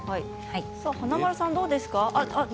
華丸さん、どうですか？